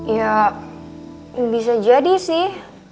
ya bisa jadi sih